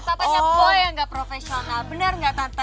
bukan papanya boy yang gak profesional benar gak tante